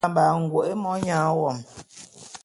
Mbamba’a ngoke monyang wo;